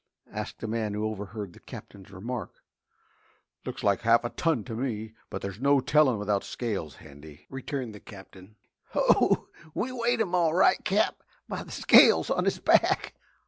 asked a man who overheard the Captain's remark. "Looks like half a ton to me but there's no tellin' without scales handy," returned the Captain. "Hoh! We weighed him all right, Cap by the scales on his back!"